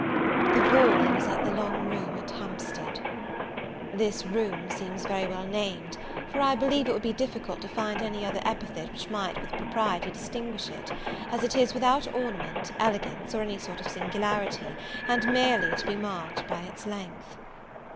The ball was at the long room at Hampstead. This room seems very well named, for I believe it would be difficult to find any other epithet which might with propriety distinguish it, as it is without ornament, elegance, or any sort of singularity, and merely to be marked by its length.